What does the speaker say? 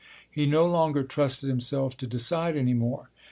He no longer trusted himself to decide any more.